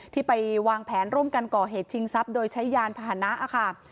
ที่ไปวางแผนร่วมกันก่อเหตุชิงทรัพย์โดยใช้ยานพาหนะค่ะ